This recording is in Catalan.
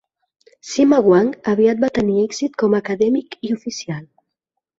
Sima Guang aviat va tenir èxit com a acadèmic i oficial.